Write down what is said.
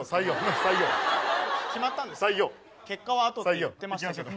決まったんですか？